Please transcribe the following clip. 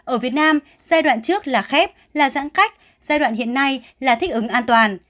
ở việt nam giai đoạn trước là khép là giãn cách giai đoạn hiện nay là thích ứng an toàn